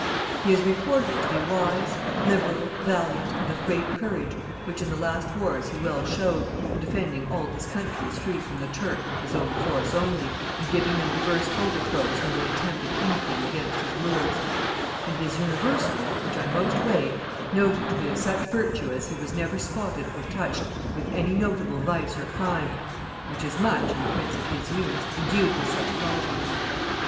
He is reported to be wise, liberal, valiant, and of great courage, which in the last wars he well showed, in defending all his countries free from the Turk with his own force only, and giving them divers overthrows when they attempted any thing against his rules; and he is universally (which I most weigh) noted to be of such virtue as he was never spotted or touched with any notable vice of crime, which is much in a prince of his years, endued with such qualities.